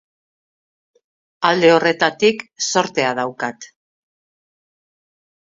Alde horretatik zortea daukat.